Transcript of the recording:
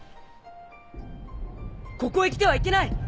ここへ来てはいけない！